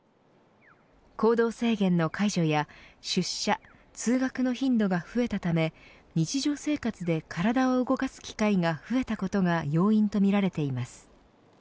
行動制限の解除や出社通学の頻度が増えたため日常生活で体を動かす機会が増えたことが要因とみられています。